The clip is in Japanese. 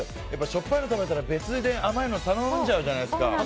しょっぱいのを食べたら別で甘いの頼んじゃうじゃないですか。